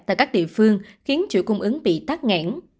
tại các địa phương khiến chuỗi cung ứng bị tắt nghẽn